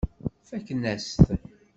Fakken-as-t.